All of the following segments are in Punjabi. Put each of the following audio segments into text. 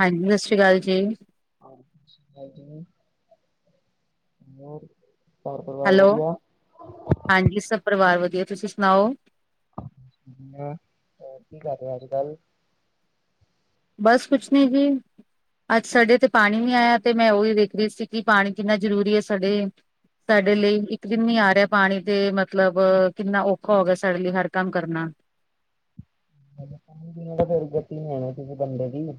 ਹਾਂਜੀ ਸਤਿ ਸ਼੍ਰੀ ਅਕਾਲ ਜੀ। ਹਾਂਜੀ ਸਤਿ ਸ੍ਰੀ ਆਕਾਲ ਜੀ ਹੋਰ ਘਰ ਪਰਿਵਾਰ ਹੈਲੋ ਵਧੀਆ। ਹਾਂਜੀ ਸਭ ਪਰਿਵਾਰ ਵਧੀਆ ਤੁਸੀਂ ਸੁਣਾਓ। ਵਧੀਆ ਕੀ ਕਰ ਰਹੇ ਅੱਜ ਕੱਲ। ਬਸ ਕੁਛ ਨੀ ਜੀ। ਅੱਜ ਸਾਡੇ ਇਥੇ ਪਾਣੀ ਨੀ ਆਇਆ ਤੇ ਮੈਂ ਉਹੀ ਵੇਖ ਰਹੀ ਸੀ ਕਿ ਪਾਣੀ ਕਿੰਨਾ ਜ਼ਰੂਰੀ ਐ ਸਾਡੇ ਸਾਡੇ ਲਈ ਇੱਕ ਦਿਨ ਨੀ ਆ ਰਿਹਾ ਪਾਣੀ ਤੇ ਮਤਲਬ ਕਿੰਨਾ ਔਖਾ ਹੋ ਗਿਆ ਸਾਡੇ ਲਈ ਹਰ ਕੰਮ ਕਰਨਾ। ਫਿਰ ਗਤੀ ਲਣੇ ਕਿਸੇ ਬੰਦੇ ਦੀ। [inaudible]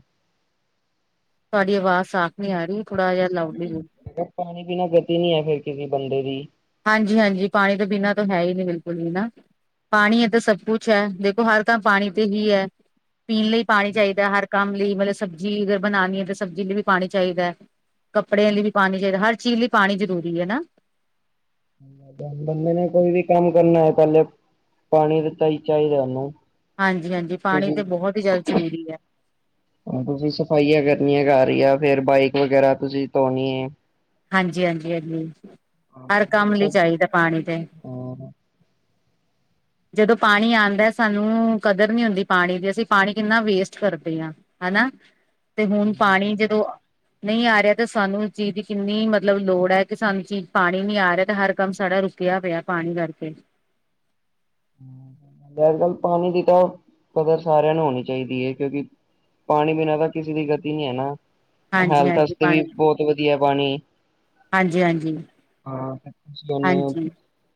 ਤੁਹਾਡੀ ਆਵਾਜ਼ ਸਾਫ ਨਹੀਂ ਆ ਰਹੀ ਥੋੜ੍ਹਾ ਜਿਹਾ। ਮੇ ਲਾਊਡਲੀ ਬੋਲੋ ਕਿਹਾ ਪਾਣੀ ਬਿਨਾ ਗਤੀ ਨੀ ਹੈ ਫਿਰ ਕਿਸੇ ਬੰਦੇ ਦੀ। ਹਾਂਜੀ, ਹਾਂਜੀ ਪਾਣੀ ਦੇ ਬਿਨਾਂ ਤਾਂ ਹੈ ਹੀ ਨਹੀਂ ਬਿਲਕੁਲ ਹੀ ਨਾ। ਪਾਣੀ ਐ ਤਾਂ ਸਭ ਕੁਛ ਐ, ਦੇਖੋ ਹਰ ਕੰਮ ਪਾਣੀ ਤੇ ਹੀ ਹੈ। ਪੀਣ ਲਈ ਪਾਣੀ ਚਾਹੀਦਾ ਹਰ ਕੰਮ ਲਈ ਮਤਲਬ ਸਬਜ਼ੀ ਅਗਰ ਬਣਾਣੀ ਐ ਤਾਂ ਸਬਜ਼ੀ ਲਈ ਵੀ ਪਾਣੀ ਚਾਹੀਦਾ ਐ। ਕੱਪੜਿਆਂ ਲਈ ਵੀ ਪਾਣੀ ਚਾਹੀਦਾ, ਹਰ ਚੀਜ਼ ਲਈ ਪਾਣੀ ਜ਼ਰੂਰੀ ਐ ਨਾ। ਬੰਦੇ ਨੇ ਕੋਈ ਵੀ ਕੰਮ ਕਰਨਾ ਐ, ਪਹਿਲੇ ਪਾਣੀ ਤਾ ਈ ਚਾਹੀਦਾ ਓਹਨੂੰ। ਹਾਂਜੀ, ਹਾਂਜੀ ਪਾਣੀ ਤੇ ਬਹੁਤ ਹੀ ਜਾਦਾਂ ਜ਼ਰੂਰੀ ਐ। ਤੁਸੀਂ ਸਫਾਈਆਂ ਕਰਨੀਆਂ ਘਰ ਈ ਆ, ਫੇਰ ਬਾਈਕ ਵਗੈਰਾ ਤੁਸੀਂ ਧੋਣੀ ਏ। ਹਾਂਜੀ, ਹਾਂਜੀ, ਹਾਜੀ, ਹਰ ਕੰਮ ਲਈ ਚਾਹੀਦਾ ਪਾਣੀ ਤੇ। ਹੋਰ। ਜਦੋਂ ਪਾਣੀ ਆਂਦਾ ਸਾਨੂੰ ਕਦਰ ਨਹੀਂ ਹੁੰਦੀ ਪਾਣੀ ਦੀ, ਅਸੀਂ ਪਾਣੀ ਕਿੰਨਾ ਵੇਸਟ ਕਰਦੇ ਆ। ਹਨਾ, ਤੇ ਹੁਣ ਜੀ ਪਾਣੀ ਸਹੀ ਗੱਲ ਜਦੋਂ ਨਹੀਂ ਆ ਰਿਹਾ ਤੇ ਸਾਨੂੰ ਚੀਜ਼ ਦੀ ਕਿੰਨੀ ਮਤਲਬ ਲੋੜ ਐ, ਕਿ ਸਾਨੂੰ ਚੀਜ਼ ਪਾਣੀ ਨੀ ਆ ਰਿਹਾ ਤੇ ਹਰ ਕੰਮ ਸਾਡਾ ਰੁਕ ਪਿਆ, ਪਿਆ ਪਾਣੀ ਕਰਕੇ ਪਾਣੀ ਦੀ ਤਾਂ ਕਦਰ ਸਾਰਿਆਂ ਨੂੰ ਹੋਣੀ ਚਾਹੀਦੀ ਐ ਕਿਉਂਕਿ ਪਾਣੀ ਬਿਨਾਂ ਤਾਂ ਕਿਸੇ ਦੀ ਗਤੀ ਨੀ ਐ ਨਾ। ਹਾਂਜੀ ਹੈਲਥ ਹਾਂਜੀ ਵਾਸਤੇ ਵੀ ਪਾਣੀ ਬਹੁਤ ਵਧੀਆ ਏ ਪਾਣੀ। ਹਾਂਜੀ ਹਾਂਜੀ ਹਾਂ ਤੇ ਤੁਸੀਂ ਉਹਨੂੰ ਹਾਂਜੀ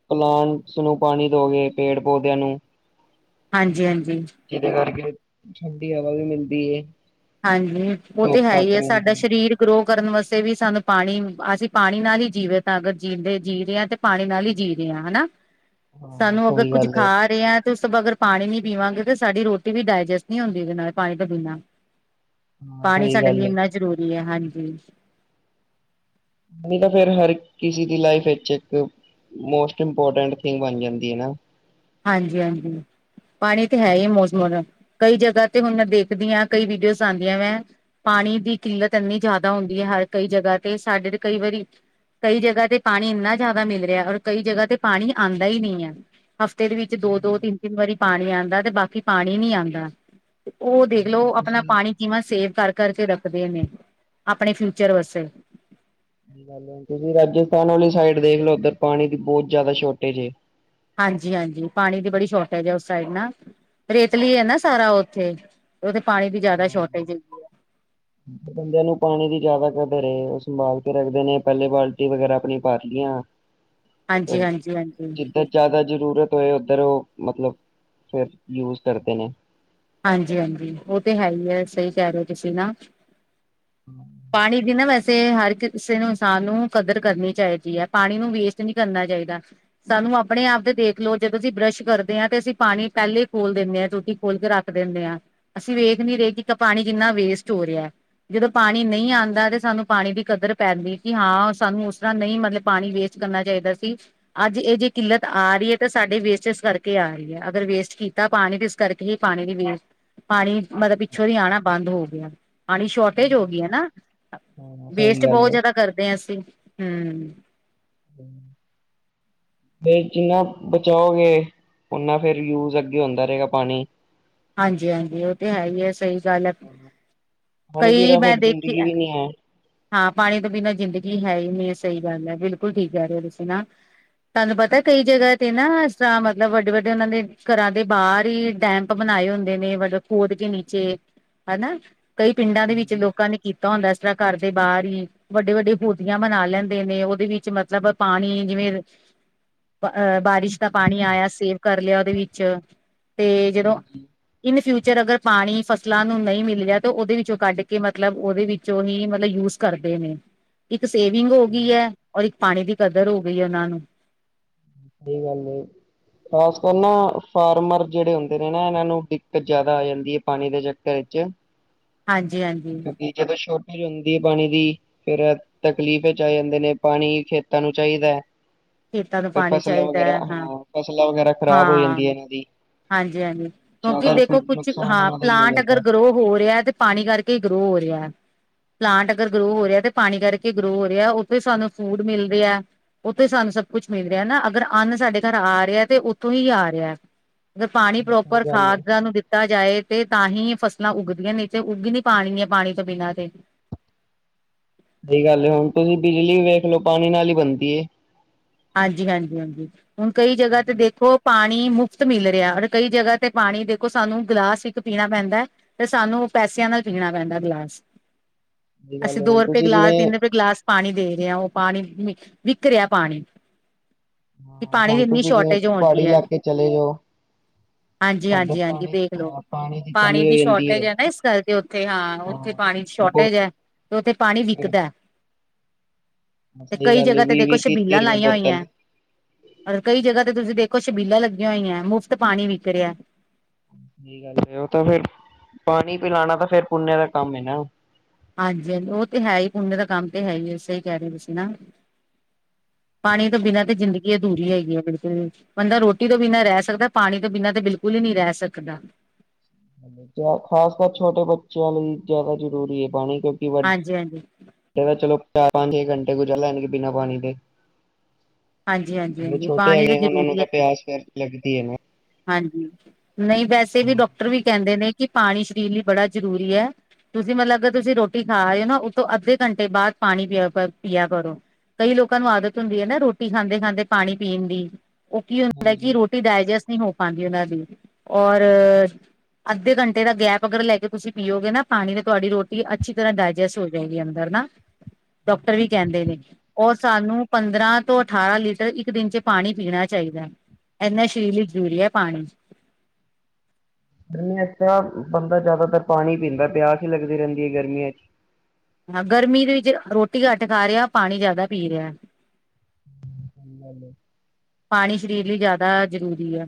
ਪਲਾਂਟਸ ਨੂੰ ਪਾਣੀ ਦੋਗੇ, ਪੇੜ ਪੌਦਿਆਂ ਨੂੰ ਹਾਂਜੀ, ਹਾਂਜੀ ਜਿਹਦੇ ਕਰਕੇ ਠੰਡੀ ਹਵਾ ਵੀ ਮਿਲਦੀ ਏ। ਹਾਂਜੀ, ਉਹ ਤੇ ਹੈ ਹੀ ਹੈ, ਸਾਡਾ ਰਹਿੰਦੀ ਸ਼ਰੀਰ ਗਰੋ ਕਰਨ ਵਾਸਤੇ ਵੀ ਸਾਨੂੰ ਪਾਣੀ, ਅਸੀਂ ਪਾਣੀ ਨਾਲ ਈ ਜੀਵੇਤ ਆ ਅਗਰ ਜੀਂਦੇ ਜੀ ਰਹੇ ਆ ਤੇ ਪਾਣੀ ਨਾਲ ਈ ਜੀ ਰਹੇ ਆ ਹਨਾ। [inaudible] ਸਾਨੂੰ ਅਗਰ ਸਹੀ ਕੁੱਝ ਗੱਲ ਹੈ ਖਾ ਰਹਿਆ ਤੁਸੀ ਅਗਰ ਪਾਣੀ ਨੀ ਪੀਵਾਂਗੇ ਤਾਂ ਸਾਡੀ ਰੋਟੀ ਵੀ ਡਾਇਜੈਸਟ ਨਹੀਂ ਹੁੰਦੀ ਉਹਦੇ ਨਾਲ, ਪਾਣੀ ਤੋ ਬਿਣਾ। ਹਾਂ ਪਾਣੀ ਸਹੀ ਸਾਡੇ ਲਈ ਗੱਲ ਹੈ ਇੰਨਾ ਜ਼ਰੂਰੀ ਐ, ਹਾਂਜੀ। ਨਹੀਂ ਤਾਂ ਫੇਰ ਹਰ ਕਿਸੇ ਦੀ ਲਾਈਫ ਵਿੱਚ ਇੱਕ ਮੋਸਟ ਇੰਪੋਰਟੈਂਟ ਥਿੰਗ ਬਣ ਜਾਂਦੀ ਐ ਨਾ। ਹਾਂਜੀ‌, ਹਾਂਜੀ ਪਾਣੀ ਤੇ ਹੈ ਹੀ ਮੌਸਮ, ਕਈ ਜਗ੍ਹਾ ਤੇ ਹੁਣ ਮੈਂ ਦੇਖਦੀ ਆ ਕਈ ਵੀਡੀਓਜ਼ ਆਉਂਦੀਆਂ ਵੇ ਪਾਣੀ ਦੀ ਕਿੱਲਤ ਇੰਨੀ ਜ਼ਿਆਦਾ ਹੁੰਦੀ ਹੈ, ਹਰ ਕਈ ਜਗ੍ਹਾ ਤੇ ਸਾਡੇ ਤੇ ਕਈ ਵਾਰੀ ਕਈ ਜਗ੍ਹਾ ਤੇ ਪਾਣੀ ਇੰਨਾ ਜ਼ਿਆਦਾ ਮਿਲ ਰਿਹਾ, ਔਰ ਕਈ ਜਗ੍ਹਾ ਤੇ ਪਾਣੀ ਆਂਦਾ ਈ ਨਹੀਂ ਐ। ਹਫ਼ਤੇ ਦੇ ਵਿੱਚ ਦੋ- ਦੋ, ਤਿੰਨ-ਤਿੰਨ ਵਾਰੀ ਪਾਣੀ ਆਂਦਾ ਤੇ ਬਾਕੀ ਪਾਣੀ ਨੀ ਆਂਦਾ। ਉਹ ਦੇਖ ਲੋ ਆਪਣਾ ਤੁਸੀਂ ਪਾਣੀ ਕਿਵਾਂ ਸੇਵ ਕਰ- ਕਰਕੇ ਰੱਖਦੇ ਨੇ ਆਪਣੇ ਫਿਊਚਰ ਵਾਸਤੇ। ਤੁਸੀਂ ਰਾਜਸਥਾਨ ਵਾਲੀ ਸਾਈਡ ਦੇਖ ਲਓ, ਉੱਧਰ ਪਾਣੀ ਦੀ ਬਹੁਤ ਜ਼ਿਆਦਾ ਸ਼ੋਰਟੇਜ ਏ। ਹਾਂਜੀ, ਹਾਂਜੀ, ਪਾਣੀ ਦੀ ਬੜੀ ਸ਼ੋਰਟੇਜ ਐ ਉਸ ਸਾਈਡ ਨਾ, ਰੇਤਲੀ ਐ ਨਾ ਸਾਰਾ ਓਥੇ। ਤੇ ਓਥੇ ਪਾਣੀ ਦੀ ਜ਼ਿਆਦਾ ਹਾਂ। ਸ਼ੋਰਟੇਜ ਏ। [inaudible] ਬੰਦਿਆਂ ਨੂੰ ਪਾਣੀ ਦੀ ਜ਼ਿਆਦਾ ਕਦਰ ਏ, ਉਹ ਸੰਭਾਲ ਕੇ ਰੱਖਦੇ ਨੇ ਪਹਿਲੇ ਬਾਲਟੀ ਵਗੈਰਾ ਆਪਣੀਆਂ ਭਰਦੇ ਆ। ਓ ਹਾਂਜੀ-ਹਾਂਜੀ-ਹਾਂਜੀ, ਕਿੱਧਰ? ਜ਼ਿਆਦਾ ਜ਼ਰੂਰਤ ਹੋਏ ਉੱਧਰ ਉਹ, ਮਤਲਬ ਫੇਰ ਯੂਜ ਕਰਦੇ ਨੇ। ਹਾਂਜੀ-ਹਾਂਜੀ, ਉਹ ਤੇ ਹੈਈ ਏ, ਸਹੀ ਕਹਿ ਰਹੇ ਓ ਤੁਸੀਂ ਨਾ। [inaudible] ਪਾਣੀ ਦੀ ਨਾ ਵੈਸੇ ਹਰ ਕਿਸੇ ਨੂੰ ਇਨਸਾਨ ਨੂੰ ਕਦਰ ਕਰਨੀ ਚਾਹੀਦੀ ਹੈ, ਪਾਣੀ ਨੂੰ ਵੇਸਟ ਨਹੀਂ ਕਰਨਾ ਚਾਹੀਦਾ। ਸਾਨੂੰ ਆਪਣੇ-ਆਪ ਤੇ ਦੇਖਲੋ ਜਦੋਂ ਅਸੀਂ ਬਰੱਸ਼ ਕਰਦੇ ਆਂ, ਤੇ ਅਸੀਂ ਪਾਣੀ ਪਹਿਲੇ ਖੋਲ ਦਿੰਦੇ ਆ, ਟੂਟੀ ਖੋਲ ਕੇ ਰੱਖ ਦਿੰਨੇ ਆ, ਅਸੀਂ ਵੇਖ ਨੀ ਰਹੇ ਕਿ ਪਾਣੀ ਕਿੰਨਾ ਵੇਸਟ ਹੋ ਰਿਹਾ, ਜਦੋਂ ਪਾਣੀ ਪਾਣੀ ਨਹੀਂ ਆਂਦਾ ਤੇ ਸਾਨੂੰ ਪਾਣੀ ਦੀ ਕਦਰ ਪੈਂਦੀ, ਕਿ ਹਾਂ ਸਾਨੂੰ ਉਸ ਤਰ੍ਹਾਂ ਨਹੀਂ ਮਤਲਬ ਪਾਣੀ ਵੇਸਟ ਕਰਨਾ ਚਾਹੀਦਾ ਸੀ। ਅੱਜ ਇਹ ਜੇ ਕਿੱਲਤ ਆ ਰਹੀ ਏ, ਤਾਂ ਸਾਡੇ ਵੇਸਟੇਜ ਕਰਕੇ ਆ ਰਹੀ ਏ, ਅਗਰ ਵੇਸਟ ਕੀਤਾ ਪਾਣੀ ਤੇ ਇਸ ਕਰਕੇ ਹੀ ਪਾਣੀ ਦੀ ਵੇਸਟ, ਪਾਣੀ ਮਤਲਬ ਪਿੱਛੋਂ ਦੀ ਆਣਾ ਬੰਦ ਹੋਗਿਆ, ਪਾਣੀ ਸ਼ੋਰਟੇਜ ਹਾਂਜੀ ਹੋਗੀਆ। ਸਹੀ। ਨਾ, ਹਾਂ ਸਹੀ ਵੇਸਟ ਗੱਲ ਬਹੁਤ ਏ, ਜਿਆਦਾ ਕਰਦੇ ਆਂ, ਅਸੀਂ, ਹੂੰ। ਫੇਰ ਜਿੰਨਾ ਬਚਾਓਗੇ ਓਨਾਂ ਫੇਰ ਯੂਜ ਅੱਗੇ ਹੋਂਦਾ ਰਹੇਗਾ, ਪਾਣੀ। ਹਾਂਜੀ-ਹਾਂਜੀ ਉਹ ਤੇ ਹੈਹੀ ਏ, ਸਹੀ ਗੱਲ ਏ, ਪਾਣੀ ਕਈ ਬਿਨਾਂ ਫਿਰ ਮੈਂ ਦੇਖੀ ਜ਼ਿੰਦਗੀ ਐ ਵੀ ਨੀ ਹੈ। ਹਾਂ ਪਾਣੀ ਤੋਂ ਬਿਨਾਂ ਜ਼ਿੰਦਗੀ ਹੈਹੀ ਨਹੀਂ, ਸਹੀ ਗੱਲ ਐ, ਬਿਲਕੁਲ ਠੀਕ ਕਹਿ ਰਹੇ ਹੋ, ਤੁਸੀਂ ਨਾ। ਤੁਹਾਨੂੰ ਪਤਾ ਕਈ ਜਗ੍ਹਾ ਤੇ ਨਾ, ਇਸ ਤਰ੍ਹਾਂ ਮਤਲਬ ਵੱਡੇ-ਵੱਡੇ ਉਹਨਾਂ ਦੇ ਘਰਾਂ ਦੇ ਬਾਹਰ ਹੀ ਡੈਮ ਬਣਾਏ ਹੁੰਦੇ ਨੇ, ਮਤਲਬ ਖੋਦਕੇ ਨੀਚੇ ਹਨਾ। ਕਈ ਪਿੰਡਾਂ ਦੇ ਵਿੱਚ ਹਾਂਜੀ, ਲੋਕਾਂ ਨੇ ਕੀਤਾ ਹੁੰਦਾ ਇਸ ਤਰ੍ਹਾਂ ਘਰ ਦੇ ਬਾਹਰ ਹੀ ਵੱਡੇ-ਵੱਡੇ ਹੋਦੀਆਂ ਬਣਾ ਲੈਂਦੇ ਨੇ, ਉਹਦੇ ਵਿੱਚ ਮਤਲਬ ਪਾਣੀ, ਜਿਵੇਂ ਅ ਬਾਰਿਸ਼ ਦਾ ਪਾਣੀ ਆਇਆ, ਸੇਵ ਕਰ ਲਿਆ ਉਹਦੇ ਵਿੱਚ, ਤੇ ਜਦੋਂ ਹਾਂਜੀ। ਇਨ ਫਿਊਚਰ ਅਗਰ ਪਾਣੀ ਫਸਲਾਂ ਨੂੰ ਨਹੀਂ ਮਿਲਿਆ, ਤਾਂ ਉਹਦੇ ਵਿੱਚੋਂ ਕੱਢਕੇ, ਮਤਲਬ ਉਹਦੇ ਵਿੱਚੋ ਹੀ ਮਤਲਬ ਯੂਜ ਕਰਦੇ ਨੇ, ਇੱਕ ਸੇਵਿੰਗ ਹੋ ਗਈ ਐ, ਔਰ ਇੱਕ ਪਾਣੀ ਦੀ ਕਦਰ ਹੋ ਗਈ ਏ, ਉਹਨਾਂ ਨੂੰ। ਸਹੀ ਗੱਲ ਏ। ਖਾਸ ਕਰ ਨਾ ਫਾਰਮਰ ਜਿਹੜੇ ਹੁੰਦੇ ਨੇ ਨਾ, ਇਹਨਾਂ ਨੂੰ ਦਿੱਕਤ ਜ਼ਿਆਦਾ ਆ ਜਾਂਦੀ ਏ ਪਾਣੀ ਦੇ ਚੱਕਰ ਵਿੱਚ। ਹਾਂਜੀ-ਹਾਂਜੀ। ਕਿਉਂਕਿ ਜਦੋਂ ਸ਼ੋਰਟੇਜ ਹੁੰਦੀ ਏ, ਪਾਣੀ ਦੀ ਫਿਰ, ਤਕਲੀਫ਼'ਚ ਆ ਜਾਂਦੇ ਨੇ, ਪਾਣੀ ਖੇਤਾਂ ਨੂੰ ਚਾਹੀਦੈ। ਖੇਤਾਂ ਨੂੰ ਪਾਣੀ ਚਾਹੀਦਾ, ਹਾਂ, ਫਸਲਾਂ ਵਗੈਰਾ ਖ਼ਰਾਬ ਹੋ ਹਾਂ। ਜਾਂਦੀ ਹੈ ਇਹਨਾਂ ਦੀ ਹਾਂਜੀ-ਹਾਂਜੀ, ਕਿਉਂਕਿ ਜ਼ਿਆਦਾ ਫਿਰ ਦੇਖੋ ਕੁਛ ਨੁਕਸਾਨ ਹਾਂ ਉਹਨਾਂ ਦਾ ਹੀ ਹੋ ਪਲਾਂਟ ਅਗਰ ਜਾਂਦਾ ਗ੍ਰੋ ਹੋ ਰਿਹਾ ਤੇ ਪਾਣੀ ਕਰਕੇ ਈ ਗ੍ਰੋ ਹੋ ਰਿਹਾ। ਪਲਾਂਟ ਅਗਰ ਗ੍ਰੋ ਹੋ ਰਿਹਾ, ਤੇ ਪਾਣੀ ਕਰਕੇ ਗਰੋ ਹੋ ਰਿਹਾ, ਉੱਥੋਂ ਈ ਸਾਨੂੰ ਫੂਡ ਮਿਲਦੇ ਆ। ਉੱਥੇ ਈ ਸਾਨੂੰ ਸਭ ਕੁਛ ਮਿਲ ਰਿਹਾ ਨਾ, ਅਗਰ ਅੰਨ ਸਾਡੇ ਘਰ ਆ ਰਿਹਾ ਤੇ ਉੱਥੋਂ ਈ ਆ ਰਿਹਾ। ਮਤਲਬ ਪਾਣੀ ਸਹੀ ਪ੍ਰੋਪਰ ਗੱਲ ਹੈ ਖਾਦਾਂ ਨੂੰ ਦਿੱ ਦਿੱਤਾ ਜਾਏ ਤੇ ਤਾਂ ਹੀ ਫਸਲਾਂ ਉੱਗਦੀਆਂ, ਨਹੀਂ ਤੇ ਉੱਗ ਈ ਨਈ ਪਾਣੀਆਂ, ਪਾਣੀ ਤੋਂ ਬਿਨਾਂ ਤੇ। ਸਹੀ ਗੱਲ ਏ, ਹੁਣ ਤੁਸੀਂ ਬਿਜਲੀ ਵੀ ਵੇਖਲੋ, ਪਾਣੀ ਨਾਲ ਈ ਬਣਦੀ ਏ। ਹਾਂਜੀ-ਹਾਂਜੀ-ਹਾਂਜੀ। ਹੁਣ ਕਈ ਜਗ੍ਹਾ ਤੇ ਦੇਖੋ ਪਾਣੀ ਮੁਫ਼ਤ ਮਿਲ ਰਿਹਾ, ਅਰ ਕਈ ਜਗ੍ਹਾ ਤੇ ਪਾਣੀ ਦੇਖੋ ਸਾਨੂੰ ਗਿਲਾਸ ਪੀਣਾ ਪੈਂਦੈ, ਤੇ ਸਾਨੂੰ ਪੈਸਿਆਂ ਨਾਲ ਪੀਣਾ ਪੈਂਦਾ ਗਲਾਸ। ਸਹੀ ਗੱਲ ਅਸੀਂ ਹੈ। ਦੋ ਹੁਣ ਰੁਪਏ ਤੁਸੀਂ ਗ੍ਲਾਸ, ਜਿਵੇਂ ਤਿੰਨ ਰੁਪਏ ਗ੍ਲਾਸ ਪਾਣੀ ਦੇ ਰੇ ਆਂ, ਉਹ ਪਾਣੀ ਵਿਕ ਰਿਹਾ ਪਾਣੀ। ਕਿ, ਹਾਂ ਪਾਣੀ ਦੀ ਹੁਣ ਇੰਨੀ ਤੁਸੀਂ ਜਿਵੇਂ ਸ਼ੌਰਟੇਜ ਹੋ ਪਹਾੜੀ ਗਈ ਐ। ਇਲਾਕੇ ਚਲੇ ਜਾਓ ਉੱਧਰ ਹਾਂਜੀ-ਹਾਂਜੀ-ਹਾਂਜੀ ਪਾਣੀ ਦੇਖਲੋ, ਹਾਂ ਪਾਣੀ ਕਮੀ ਹੋ ਦੀ ਜਾਂਦੀ ਸ਼ੌਰਟੇਜ ਹੈ ਐ ਨਾ ਇਸ ਕਰਕੇ ਤੇ ਹਾਂ, ਉੱਥੇ ਪਾਣੀ ਦੀ ਸ਼ੌਰਟੇਜ ਐ, ਤੇ ਉੱਥੇ ਪਾਣੀ ਫਿਰ ਵਿਕਦਾ। ਹਾਂ, ਤੇ ਸਹੀ ਕਈ ਗੱਲ ਏ ਜਗ੍ਹਾ ਤੇ ਦੇਖੋ ਵੀਹ-ਵੀਹ, ਤੀਹ-ਤੀਹ ਸ਼ਬੀਲਾਂ ਰੁਪਏ ਲਾਈਆਂ ਹੋਈ ਬੋਤਲ। ਔਰ ਕਈ ਜਗ੍ਹਾ ਤੇ ਤੁਸੀਂ ਦੇਖੋ ਛਬੀਲਾਂ ਲੱਗੀਆਂ ਹੋਈਆਂ, ਮੁਫ਼ਤ ਪਾਣੀ ਵਿਕ ਰਿਹਾ। ਓਤਾ ਫੇਰ ਪਾਣੀ ਪਿਲਾਣਾ ਤਾਂ ਫੇਰ ਪੁੰਨੇ ਦਾ ਕੰਮ ਏਨਾ। ਹਾਂਜੀ-ਹਾਂਜੀ ਓ ਤੇ ਹੈ ਈ, ਪੁੰਨਯ ਦਾ ਕੰਮ ਤੇ ਹੈ ਈਏ, ਸਈ ਕੈ ਰੇ ਤੁਸੀਂ ਨਾ। ਪਾਣੀ ਤੋਂ ਬਿਨਾਂ ਤੇ ਜ਼ਿੰਦਗੀ ਅਧੂਰੀ ਓ ਹੈਗੀ ਏ, ਬਿਲਕੁਲ। ਬੰਦਾ ਰੋਟੀ ਤੋਂ ਬਿਨਾਂ ਰੈ ਸਕਦਾ, ਪਾਣੀ ਤੋਂ ਬਿਨਾਂ ਤਾਂ ਬਿਲਕੁਲ ਹੀ ਨੀਂ ਰੈ ਸਕਦਾ। ਖਾਸ ਕਰ ਛੋਟੇ ਬੱਚਿਆਂ ਲਈ ਜਾਦਾ ਜ਼ਰੂਰੀ ਏ ਪਾਣੀ, ਕਿਉਂਕਿ ਵੱ ਹਾਂਜੀ ਹਾਂਜੀ ਚਲੋ ਚਾਰ, ਪੰਜ, ਛੇ ਘੰਟੇ ਗੁਜਰ ਲੈਣਗੇ ਬਿਨਾਂ ਪਾਣੀ ਦੇ ਹਾਂਜੀ ਹਾਂਜੀ ਜੇੜੇ ਹਾਂਜੀ ਛੋਟੇ ਪਾਣੀ ਹੈਗੇ, ਓਨਾਂ ਨੂੰ ਜ਼ਰੂਰੀ ਤਾਂ ਹੈ ਪਿਆਸ ਫੇਰਰ ਲੱਗਦੀ ਐਨਾ। ਹਾਂਜੀ, ਨਈਂ ਵੈਸੇ ਵੀ ਡਾਕਟਰ ਵੀ ਕੈਂਦੇ ਨੇ ਕਿ ਪਾਣੀ ਸਰੀਰ ਲਈ ਬੜਾ ਜ਼ਰੂਰੀ ਐ। ਤੁਸੀਂ ਮਤਲਬ ਅ ਤੁਸੀਂ ਰੋਟੀ ਖਾ ਰੇਓ, ਨਾ ਓ ਤੋਂ ਅੱਧੇ ਘੰਟੇ ਬਾਦ ਪਾਣੀ ਪੀਆ ਕਰ, ਪਿਆ ਕਰੋ। ਕਈ ਲੋਕਾਂ ਨੂੰ ਆਦਤ ਹੁੰਦੀ ਐਨਾ ਰੋਟੀ ਖਾਂਦੇ-ਖਾਂਦੇ ਪਾਨੀ ਪੀਣ ਦੀ। ਓ ਕੀ ਹੁੰਦਾ ਕਿ ਹਾਂਜੀ। ਰੋਟੀ ਡਾਇਜੈਸਟ ਨਈਂ ਹੋ ਪਾਂਦੀ ਓਨਾਂ ਦੀ, ਔਰ ਅੱਧੇ ਘੰਟੇ ਦਾ ਗੈਪ ਅਗਰ ਲੈਕੇ ਤੁਸੀਂ ਪੀਓਗੇ ਨਾ ਪਾਣੀ, ਤੇ ਤੁਆਡੀ ਰੋਟੀ ਅੱਛੀ ਤਰ੍ਹਾਂ ਡਾਇਜੈਸਟ ਹੋ ਜੇਗੀ ਅੰਦਰ ਨਾ, ਡਾਕਟਰ ਵੀ ਕੈਂਦੇ ਨੇ ਓ ਸਾਨੂੰ ਪੰਦਰਾਂ ਤੋਂ ਅਠਾਰਾਂ ਲੀਟਰ ਇੱਕ ਦਿਨ ਚ ਪਾਣੀ ਪੀਣਾ ਚਾਈਦਾ, ਏਨਾ ਸਰੀਰ ਲਈ ਜਰੂਰੀ ਐ ਪਾਣੀ। ਏਦਾਂ ਬੰਦਾ ਜਾਦਾਤਰ ਪਾਣੀ ਪੀਂਦਾ, ਪਿਆਸ ਈ ਲੱਗਦੀ ਰੈਂਦੀ ਏ ਗਰਮੀਆਂ ਚ। ਹਾਂ, ਗਰਮੀ ਦੇ ਵਿੱਚ ਰੋਟੀ ਘੱਟ ਖਾ ਰਿਹਾ, ਪਾਣੀ ਜਾਦਾ ਪੀ ਰੇਯਾ। [inaudible] ਪਾਣੀ ਸਰੀਰ ਲਈ ਜਾਦਾ ਜਰੂਰੀ ਐ।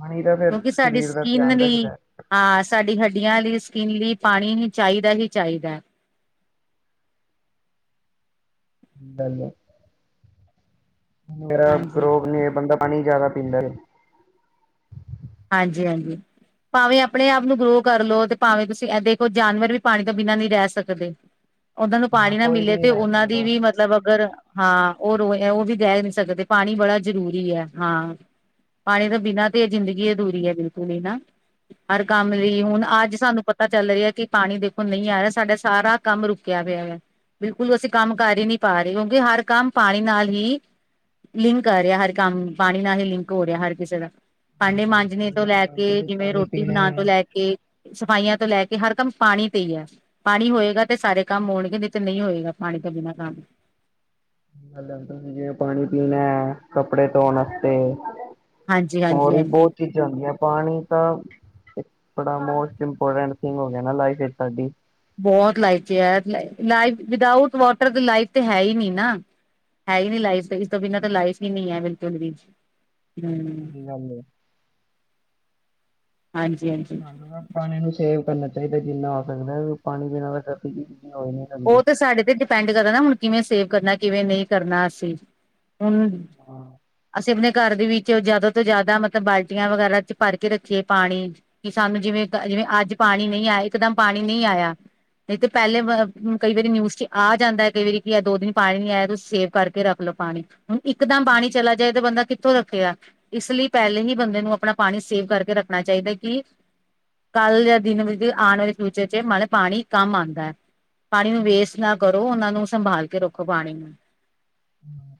ਪਾਣੀ ਤਾਂ ਫੇਰ ਸਾਡੀ ਸਰੀਰ ਦਾ ਸਕਿੰਨ ਧਿਆਨ ਲਈ ਰਖਦੈ। ਹਾਂ, ਸਾਡੀ ਹੱਡੀਆਂ ਲਈ, ਸਕਿੰਨ ਲਈ, ਪਾਣੀ ਹੀ ਚਾਹੀਦੈ ਹੀ ਚਾਹੀਦੈ। [inaudible] ਮੇਰਾ ਹਾਂਜੀ ਰੋਗ ਲਈ, ਬੰਦਾ ਪਾਣੀ ਜਾਦਾ ਪੀਂਦੈ। ਹਾਂਜੀ-ਹਾਂਜੀ। ਭਾਵੇਂ ਅਪਨੇ ਆਪ ਨੂੰ ਗਰੋ ਕਰ ਲਓ ਤੇ ਭਾਵੇਂ ਤੁਸੀਂ ਐ ਦੇਖੋ ਜਾਨਵਰ ਵੀ ਪਾਣੀ ਤੋਂ ਬਿਨਾਂ ਨਈਂ ਰੈਹ ਸਕਦੇ। [inaudible] ਓਨਾਂ ਨੂੰ ਪਾਣੀ ਹਾਂ, ਨਾ ਕੋਈ ਵੀ ਮਿਲੇ, ਨੀ ਤੇ ਰਹਿ ਓਨਾਂ ਦੀ ਸਕਦਾ। ਵੀ ਮਤਲਬ ਅਗਰ ਹਾਂ, ਓ ਰੋ ਓ ਵੀ ਰੈਹ ਈ ਨਈਂ ਸਕਦੇ, ਪਾਣੀ ਬੜਾ ਜਰੂਰੀ ਐ, ਹਾਂ। ਪਾਣੀ ਤੋਂ ਬਿਨਾਂ ਤੇ ਏ ਜੀਦੰਗੀ ਅਧੂਰੀ ਐ ਬਿਲਕੁਲ ਈ ਨਾ, ਹਰ ਕੰਮ ਲਈ। ਹੁਣ ਅੱਜ ਸਾਨੂੰ ਪਤਾ ਪਤਾ ਚੱਲ ਰੇਯਾ ਕਿ ਪਾਣੀ ਦੇਖੋ ਨਈਂ ਆ ਰੇਯਾ, ਸਾਡਾ ਸਾਰਾ ਕੰਮ ਰੁਕਿਆ ਪਿਆ ਵੇ ਬਿਲਕੁਲ ਅਸੀਂ ਕੰਮ ਕਰ ਹੀ ਨੀਂ ਪਾ ਰੇ, ਕਿਉਂਕਿ ਹਰ ਕੰਮ ਪਾਣੀ ਨਾਲ ਹੀ ਲਿੰਕ ਕਰ ਰੇਯਾ ਹਰ ਕੰਮ ਪਾਣੀ ਨਾਲ ਹੀ ਲਿੰਕ ਹੋ ਰੇਯਾ ਹਰ ਕਿਸੇ ਦਾ। ਭਾਂਡੇ ਮਾਂਜ ਣੇ ਤੋਂ ਲੈ ਗੱਲ ਹੁਣ ਕੇ ਤੁਸੀਂ ਜਿਵੇਂ ਪਾਣੀ ਰੋਟੀ ਪੀਣਾ ਬਣਾਣ ਤੋਂ ਹੈ। ਲੈ ਕੇ, ਸਫਾਈਆਂ ਤੋਂ ਲੈ ਕੇ, ਹਰ ਕੰਮ ਪਾਣੀ 'ਤੇ ਹੀ ਐ। ਪਾਣੀ ਹੋਏਗਾ ਤੇ ਸਾਰੇ ਕੰਮ ਹੋਣਗੇ ਨੀ ਤੇ ਨਈਂ ਹੋਏਗਾ, ਪਾਣੀ ਤੋਂ ਬਿਨਾਂ ਕੰਮ। ਗੱਲ ਏਦਾਂ ਵੀ ਜਿਵੇਂ ਪਾਣੀ ਪੀਣੈ, ਕੱਪੜੇ ਧੋਣ ਆਸਤੇ ਹਾਂਜੀ, ਹਾਂਜੀ, ਹੋਰ ਵੀ ਹਾਂਜੀ। ਬੋਤ ਚੀਜ ਜਾਂ ਹੁੰਦੀਆਂ, ਪਾਣੀ ਤਾਂ ਬੜਾ ਮੋਸਟ ਇੰਪੋਰਟੈਂਟ ਥਿੰਗ ਹੋ ਗਿਆ ਨਾ ਲਾਈਫ ਚ ਸਾਡੀ। ਬੋਤ ਲਾਈਫ 'ਚ ਐ, ਲਾਈਫ ਵਿਦਾਊਟ ਵੋਟਰ ਤੇ ਲਾਈਫ ਤੇ ਹੈ ਹੀਨੀ ਨਾ। ਹੈ ਈਨੀ ਲਾਈਫ 'ਤੇ ਇਸ ਤੋਂ ਬਿਨਾਂ ਤਾਂ ਲਾਈਫ ਹੀ ਨੀਂ ਐ ਬਿਲਕੁਲ ਵੀ। ਹਮ [inaudible] ਹਾਂਜੀ ਹਾਂਜੀ ਸਾਨੂੰ ਤਾਂ ਪਾਣੀ ਨੂੰ ਸੇਵ ਕਰਨਾ ਚਾਈਦੈ ਜਿੰਨਾ ਹੋ ਸਕਦਾ, ਕਿਉਂਕਿ ਪਾਣੀ ਦੇ ਨਾਲ ਕਾਫੀ ਚੀਜਾਂ ਹੋ ਹੀਂ ਓ ਤੇ ਸਾਡੇ ਤੇ ਡਿਪੈਂਡ ਕਰਦੈ ਨਾ ਹੁਣ ਕਿਵੇਂ ਸੇਵ ਕਰਨਾ, ਕਿਵੇਂ ਨਈਂ ਕਰਨਾ ਅਸੀਂ। ਹੁਨ ਹਾਂ। ਅਸੀਂ ਅਪਨੇ ਘਰ ਦੇ ਵਿੱਚ ਜਾਦਾ ਤੋਂ ਜਾਦਾ ਮਤਲਬ ਬਾਲਟੀਆਂ ਵਗੈਰਾ 'ਚ ਭਰ ਕੇ ਰੱਖੀਏ ਪਾਣੀ। ਕਿ ਸਾਨੂੰ ਜਿਵੇਂ ਜਿਵੇਂ ਅੱਜ ਪਾਣੀ ਨਈਂ ਆਯਾ, ਇੱਕਦਮ ਪਾਣੀ ਨਈਂ ਆਯਾ। ਨਈ ਤੇ ਪੈਲੇ ਵ ਅ ਕਈ ਵਾਰੀ ਨਿਊਜ਼ ਚ ਆ ਜਾਂਦਾ ਐ ਕਈ ਵਾਰੀ ਕਿ ਐ ਦੋ ਦਿਨ ਪਾਣੀ ਨੀ ਆਏ, ਤੁਸੀਂ ਸੇਵ ਕਰਕੇ ਰੱਖ ਰਖ ਲੋ ਪਾਣੀ। ਹੁਨ ਇੱਕਦਮ ਪਾਣੀ ਚਲਾ ਜਾਏ ਤਾਂ ਬੰਦਾ ਕਿੱਥੋਂ ਰੱਖੇਗਾ। ਇਸ ਲੀ ਪੈਲੇ ਈ ਬੰਦੇ ਨੂੰ ਅਪਣਾ ਪਾਣੀ ਸੇਵ ਕਰਕੇ ਰੱਖਣਾ ਚਾਈਦੈ ਕਿ ਕੱਲ ਯਾਂ ਦਿਨ ਵਿੱਚ ਆਣ ਵਾਲੇ ਫਿਊਚਰ ਚ ਮਲ ਪਾਣੀ ਕੰਮ ਆਂਦੈ। ਪਾਣੀ ਨੂੰ ਵੇਸਟ ਨਾ ਕਰੋ, ਓਨਾਂ ਨੂੰ ਸੰਭਾਲ ਕੇ ਰੱਖੋ ਪਾਣੀ ਨੂੰ।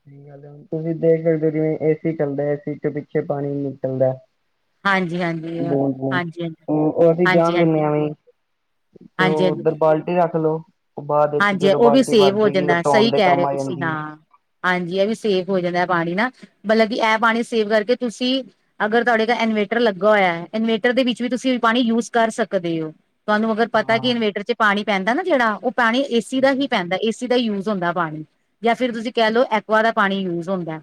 ਸਈ ਗੱਲ ਐ, ਤੁਸੀ ਦੇਖ ਸਕਦੇ ਓ ਜਿਵੇਂ ਏ ਸੀ ਚੱਲਦੈ ਏ ਸੀ ਚ ਪਿੱਛੇ ਪਾਣੀ ਨਿਕਲਦਾ ਐ। ਹਾਂਜੀ ਹਾਂਜੀ ਹਾਂਜੀ ਬੂੰਦ ਬੂੰਦ, ਹਾਂਜੀ ਓ ਅਸੀ ਹਾਂਜੀ ਹਾਂਜੀ ਜਾਨ ਦਿੰਨੇ ਆਂ ਹਾਂਜੀ ਐਵੇਂ ਈ। ਤੇ ਓ ਹਾਂਜੀ ਓਧਰ ਬਾਲਟੀ ਰੱਖ ਲੋੋ। ਹਾਂਜੀ, ਓ ਵੀ ਸੇਵ ਹੋ ਜਾਂਦਾ, ਧੋਣ ਸਈ ਦੇ ਕੈ ਰੇ ਕੰਮ ਓ ਆ ਤੁਸੀਂ ਜਾਂਦੀ ਹੈ। ਹਾਂ। ਹਾਂਜੀ। ਐ ਵੀ ਸੇਵ ਹੋ ਜਾਂਦਾ ਪਾਣੀ ਨਾ। ਮਤਲਬ ਕਿ ਐ ਪਾਣੀ ਸੇਵ ਕਰਕੇ ਤੁਸੀ ਅਗਰ ਤੁਆਡੇ ਘਰ ਇਨਵੇਟਰ ਲੱਗਾ ਹੋਏਆ, ਇਨਵੇਟਰ ਦੇ ਵਿੱਚ ਵੀ ਤੁਸੀ ਪਾਣੀ ਯੂਜ ਕਰ ਸਕਦੇ ਓ। ਤੁਆਨੂੰ ਅਗਰ ਪਤਾ ਕਿ ਹਾਂ ਇਨਵੇਟਰ ਚ ਪਾਣੀ ਪੈਂਦਾ ਨਾ ਜੇੜਾ ਓ ਪਾਣੀ ਏ ਸੀ ਦਾ ਹਾਂਜੀ ਹੀ ਪੈਂਦਾ ਏ ਸੀ ਦਾ ਈ ਯੂਜ ਹੁੰਦਾ ਪਾਣੀ। ਜਾਂ ਫੇਰ ਤੁਸੀ ਕੈ ਲਓ ਐਕੁਆ ਦਾ ਪਾਣੀ ਯੂਜ ਹੁੰਦੈ।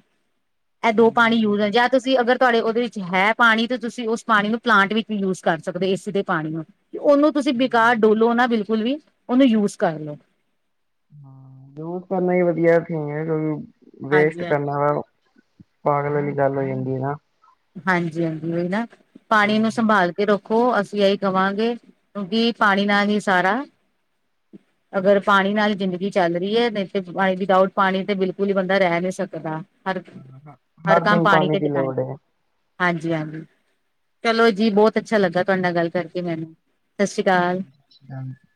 ਐ ਦੋ ਹਾਂਜੀ ਪਾਣੀ ਯੂਜ ਐ। ਹਾਂਜੀ ਜਾਂ ਤੁਸ ਅਗਰ ਤੁਆਡੇ ਓਦੇ ਚ ਹੈ ਪਾਣੀ ਤਾਂ ਤੁਸੀ ਉਸ ਪਾਣੀ ਨੂੰ ਪਲਾਂਟ ਵਿੱਚ ਵੀ ਯੂਜ ਕਰ ਸਕਦੇ ਓ। ਏ ਸੀ ਦੇ ਪਾਣੀ ਨੂੰ। ਤੇ ਔਨੂੰ ਤੁਸੀ ਸਹੀ ਬੇਕਾਰ ਗੱਲ ਡੋਲੋ ਨਾ ਬਿਲਕੁਲ ਵੀ ਓਨੂੰ ਯੂਜ਼ ਕਰ ਲੋ। ਹਾਂ, ਯੂਜ ਕਰਨਾ ਈ ਵਧੀਆ ਐ ਕਿਉਂਕਿ ਹਾਂਜੀ ਵੇਸਟ ਹਾਂਜੀ ਕਰਨਾ ਪਾਗਲ ਵਾਲੀ ਗੱਲ ਹੋ ਜਾਂਦੀ ਐ ਨਾ। ਹਾਂਜੀ ਹਾਂਜੀ, ਓਈ ਨਾ ਪਾਣੀ ਨੂੰ ਹਾਂ ਸੰਭਾਲ ਕੇ ਰੱਖ ਖੋ, ਅਸੀ ਐਹੀ ਕਵਾਂਗੇ ਕਿਉਂਕਿ ਪਾਣੀ ਨਾਲ ਈ ਸਾਰਾ ਅਗਰ ਪਾਣੀ ਨਾਲ ਈ ਜਿਂਦਗੀ ਚੱਲ ਰੀ ਏ। ਨਈ ਤੇ ਪਾਣੀ ਵਿਦਾਉਟ ਪਾਣੀ ਤੇ ਬਿਲਕੁਲ ਈ ਬੰਦਾ ਰੈ ਨੀ ਸਕਦਾ। ਹਰ ਹਰ ਕੰਮ ਦਿਨ ਪਾਣੀ ਤੇ ਦੀ ਡਿਪੈਂਡ ਲੋੜ ਐ। ਹੈ। ਹਾਂਜੀ ਹਾਂਜੀ। ਚਲੋ ਜੀ ਬੋਤ ਅੱਛਾ ਲੱਗਾ ਤੁਆਡੇ ਨਾਲ ਗੱਲ ਕਰਕੇ ਮੈਨੂੰ। ਸਤਿ ਸ਼੍ਰੀ ਅਕਾਲ। [unintelligible]